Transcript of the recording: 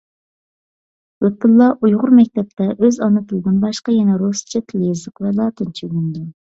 لۇتپۇللا ئۇيغۇر مەكتەپتە ئۆز ئانا تىلىدىن باشقا يەنە رۇسچە تىل-يېزىق ۋە لاتىنچە ئۆگىنىدۇ.